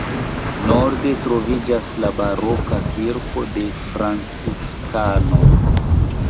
Norde troviĝas la baroka kirko de la franciskanoj.